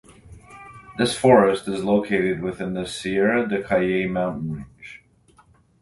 This forest is located within the Sierra de Cayey mountain range.